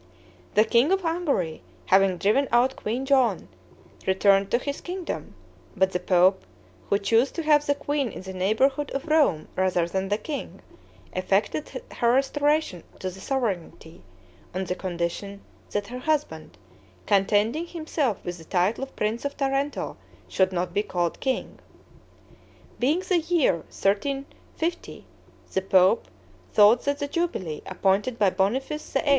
The king of Hungary, having driven out Queen Joan, returned to his kingdom; but the pope, who chose to have the queen in the neighborhood of Rome rather than the king, effected her restoration to the sovereignty, on the condition that her husband, contenting himself with the title of prince of Tarento, should not be called king. Being the year 1350, the pope thought that the jubilee, appointed by Boniface VIII.